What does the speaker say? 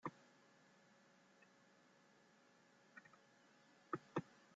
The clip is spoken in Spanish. Watson consiguió tres importantes victorias a nivel internacional para Escocia.